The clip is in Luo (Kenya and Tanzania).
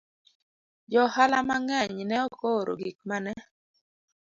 Joohala mang'eny ne ok ooro gik ma ne